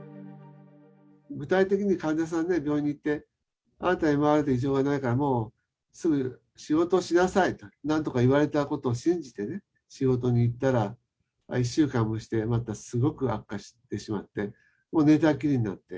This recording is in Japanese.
具体的に患者さんが病院に行って、あなたはＭＲＩで異常がないからもう、すぐ仕事しなさいと、なんとか言われたことを信じてね、仕事に行ったら、１週間もして、またすごく悪化してしまって、もう寝たきりになって。